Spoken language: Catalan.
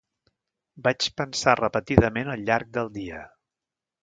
Vaig pensar repetidament al llarg del dia.